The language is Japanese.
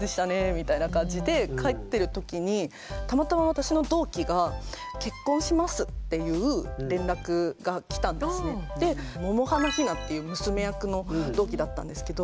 みたいな感じで帰ってる時にたまたま私の桃花ひなっていう娘役の同期だったんですけど。